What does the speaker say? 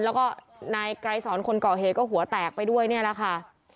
แล้วก็นายไกรสอนคนก่อเหตุก็หัวแตกไปด้วยเนี่ยแหละค่ะ